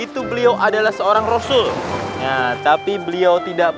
tapi beliau tidak pernah mewariskan harta kepada umatnya namun beliau mewariskan ilmu